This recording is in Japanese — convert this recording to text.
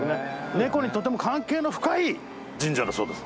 猫にとても関係の深い神社だそうです